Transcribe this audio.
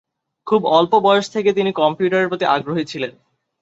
খুব অল্প বয়স থেকে তিনি কম্পিউটারের প্রতি আগ্রহী ছিলেন।